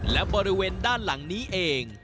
และบริเวณด้านหลังนี้เอง